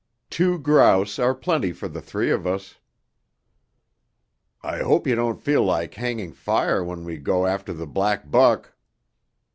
"Two grouse are plenty for the three of us." "I hope you don't feel like hanging fire when we go after the black buck."